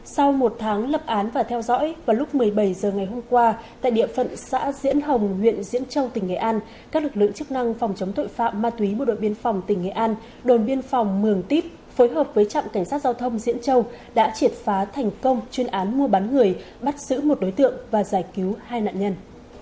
sau một tháng lập án và theo dõi vào lúc một mươi bảy h ngày hôm qua tại địa phận xã diễn hồng huyện diễn châu tỉnh nghệ an các lực lượng chức năng phòng chống tội phạm ma túy bộ đội biên phòng tỉnh nghệ an đồn biên phòng mường tiếp phối hợp với trạm cảnh sát giao thông diễn châu đã triệt phá thành công chuyên án mua bán người bắt giữ một đối tượng và giải cứu hai nạn nhân